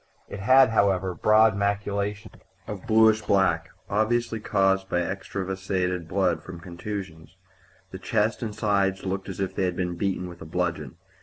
It had, however, broad maculations of bluish black, obviously caused by extravasated blood from contusions. The chest and sides looked as if they had been beaten with a bludgeon.